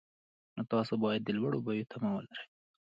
نو تاسو باید د لوړو بیو تمه ولرئ